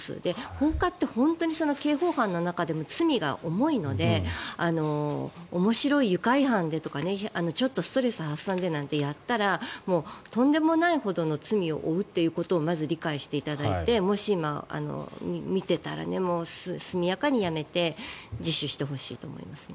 放火って本当に刑法犯の中でも罪が重いので面白い、愉快犯でとかちょっとストレス発散でとかでやったらとんでもないほどの罪を負うということをまず理解していただいてもし今、見ていたら速やかにやめて自首してほしいと思いますね。